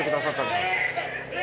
え！